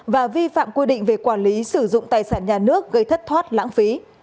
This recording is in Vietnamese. và vi phạm quy định về quản lý sử dụng tài sản nhà nước gây thất thoát lãng phí